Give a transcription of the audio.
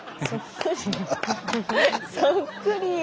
「そっくり」。